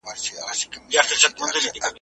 ژوندۍ ځکه چي دي خپل دردونه حس کړه